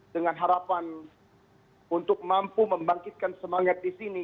dengan harapan untuk mampu membangkitkan semangat di sini